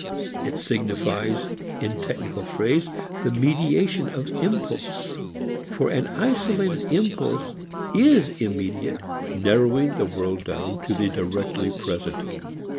It signifies, in technical phrase, the mediation of impulse. For an isolated impulse is immediate, narrowing the world down to the directly present.